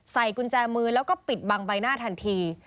กุญแจมือแล้วก็ปิดบังใบหน้าทันที